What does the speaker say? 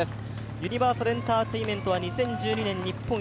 ユニバーサルエンターテインメントは２０１２年日本一、